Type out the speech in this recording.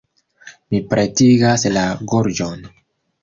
Mi pretigas la gorĝon.